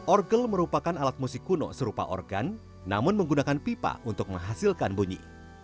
orgel merupakan alat musik kuno serupa organ namun menggunakan pipa untuk menghasilkan bunyi